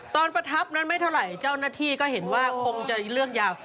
ประทับนั้นไม่เท่าไหร่เจ้าหน้าที่ก็เห็นว่าคงจะเลือกยาว